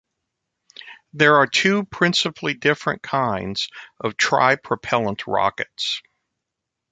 There are two principally different kinds of tripropellant rockets.